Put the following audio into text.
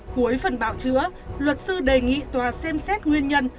cuối phần bảo chữa luật sư đề nghị tòa xem xét nguyên nhân